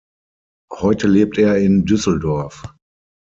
Heute lebt er in Düsseldorf.